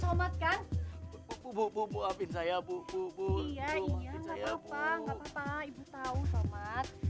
soman aduh muslim kamu kesusakan jatuh